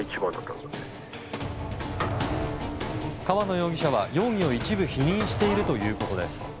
河野容疑者は、容疑を一部否認しているということです。